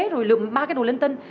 rồi lượm ba cái đồ linh tinh